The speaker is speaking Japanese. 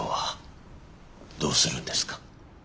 どうするんですか。